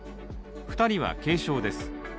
２人は軽傷です。